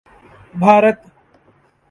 Bharat